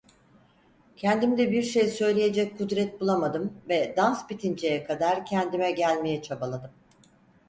Kendimde bir şey söyleyecek kudret bulamadım ve dans bitinceye kadar kendime gelmeye çabaladım.